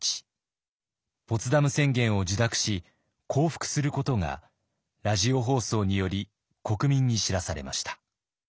ポツダム宣言を受諾し降伏することがラジオ放送により国民に知らされました。